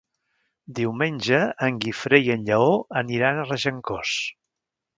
Diumenge en Guifré i en Lleó aniran a Regencós.